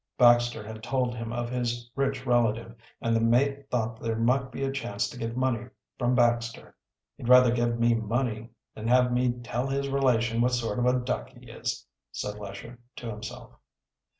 Baxter had told him of his rich relative, and the mate thought there might be a chance to get money from Baxter. "He'd rather give me money than have me tell his relation what sort of a duck he is," said Lesher to himself.